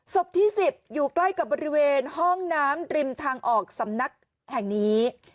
ศพที่๑๐อยู่ใกล้กับบริเวณห้องน้ำริมทางออกสำนักแห่งนี้